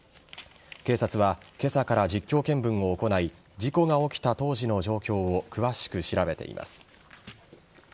警察は今朝から実況見分を行い事故が起きた当時の状況を詳しく調べています。